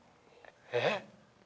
えっ？